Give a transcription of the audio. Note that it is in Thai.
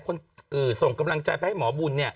กล้องกว้างอย่างเดียว